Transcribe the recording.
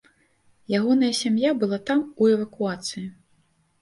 Ягоная сям'я была там у эвакуацыі.